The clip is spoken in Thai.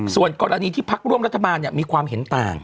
ส่วนกรณีที่พักร่วมรัฐบาลมีความเห็นต่าง